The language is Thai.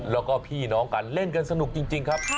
แล้วก็พี่น้องกันเล่นกันสนุกจริงครับ